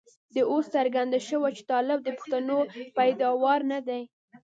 دا اوس څرګنده شوه چې طالب د پښتنو پيداوار نه دی.